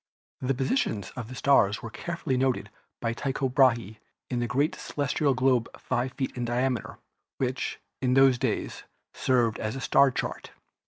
The positions of the stars were carefully noted by Tycho Brahe on a great celestial globe 5 feet in diameter, which, in those days, served as a star chart.